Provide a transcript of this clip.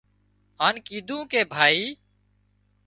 هانَ ڪيڌون ڪي ڀائي